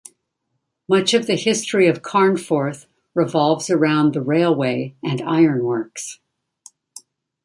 Much of the history of Carnforth revolves around the railway and ironworks.